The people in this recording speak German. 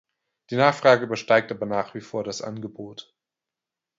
Die Nachfrage übersteigt aber nach wie vor das Angebot.